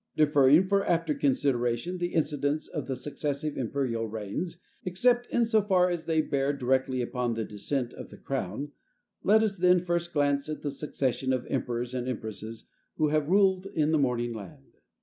Deferring for after consideration the incidents of the successive imperial reigns, except in so far as they bear directly upon the descent of the crown, let us, then, first glance at the succession of emperors and empresses who have ruled in the Morning Land.